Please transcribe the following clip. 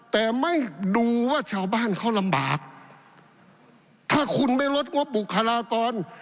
แต่ไม่ดูว่าชาวบ้านเขาลำบากถ้าคุณไม่ลดงบบุคลากร